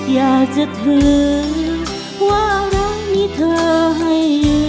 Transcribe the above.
อยากจะถึงว่าเรามีเธอให้